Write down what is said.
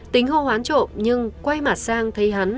tính hô hoán trộm nhưng quay mặt sang thấy hắn